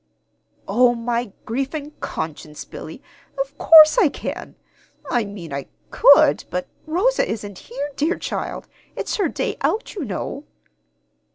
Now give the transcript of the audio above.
"Oh, my grief and conscience, Billy! Of course I can I mean I could but Rosa isn't here, dear child! It's her day out, you know."